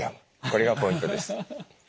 これがポイントです。